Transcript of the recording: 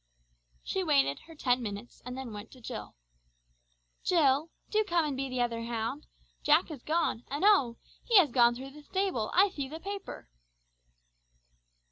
She waited her ten minutes and then went to Jill. "Jill, do come and be the other hound. Jack has gone, and oh! he has gone through the thtable, I thee the paper!"